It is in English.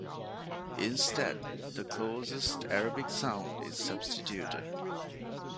Instead, the closest Arabic sound is substituted.